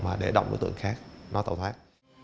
bắt một đối tượng khác nó tàu thoát